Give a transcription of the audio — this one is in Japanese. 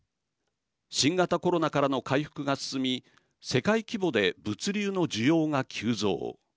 新型コロナからの回復が進み世界規模で物流の需要が急増。